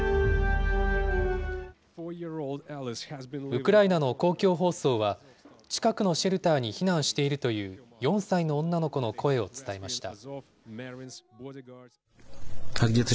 ウクライナの公共放送は、近くのシェルターに避難しているという４歳の女の子の声を伝えました。